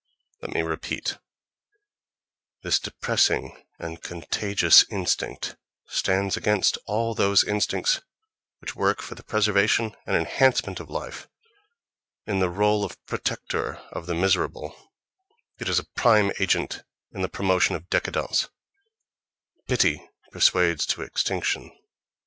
Let me repeat: this depressing and contagious instinct stands against all those instincts which work for the preservation and enhancement of life: in the rôle of protector of the miserable, it is a prime agent in the promotion of décadence—pity persuades to extinction....